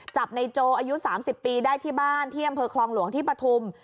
จับในโจอายุ๓๐ปีได้ที่บ้านที่อำเภอคลองหลวงที่ปฐุม